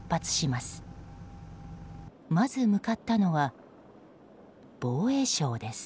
まず向かったのは、防衛省です。